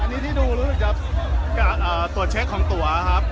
อันนี้ที่ดูรู้สึกจะตรวจเช็คของตัวครับ